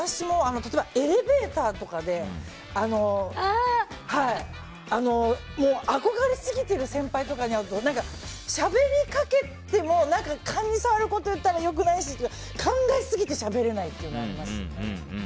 エレベーターとかで憧れすぎている先輩とかに会うとしゃべりかけても癇に障ること言ったら良くないしとか考えすぎてしゃべれないのはあります。